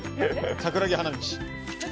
桜木花道。